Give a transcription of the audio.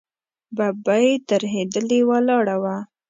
ببۍ ترهېدلې ولاړه وه.